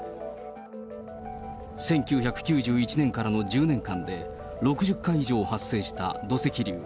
１９９１年からの１０年間で、６０回以上発生した土石流。